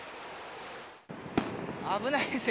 危ないですね。